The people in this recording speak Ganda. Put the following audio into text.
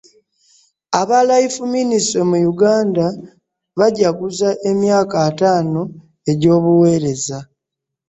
Aba Life Ministry mu Uganda bajaguuza emyaka ataanoegy'obuwereza.